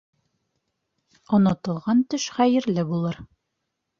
Онотолған төш хәйерле булыр.